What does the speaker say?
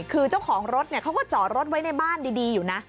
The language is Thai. คือเจ้าของรถเขาก็จอดรถไว้ในบ้านดีอยู่นะ